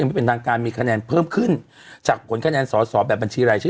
ไม่เป็นทางการมีคะแนนเพิ่มขึ้นจากผลคะแนนสอสอแบบบัญชีรายชื่อ